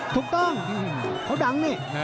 ถูกต้องเขาดังนี่